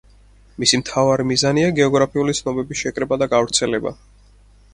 მისი მთავარი მიზანია გეოგრაფიული ცნობების შეკრება და გავრცელება.